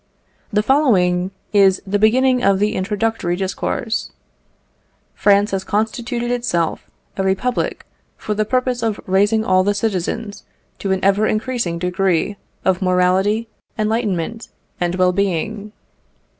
The following is the beginning of the introductory discourse: "France has constituted itself a republic for the purpose of raising all the citizens to an ever increasing degree of morality, enlightenment, and well being."